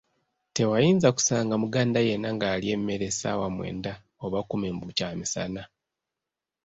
Tewanyinza kusanga Muganda yenna ng'alya emmere essaawa mwenda oba kkumi mbu kyamisana !